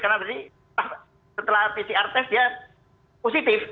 karena berarti setelah pcr test dia positif